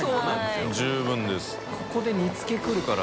ここで煮付けくるから。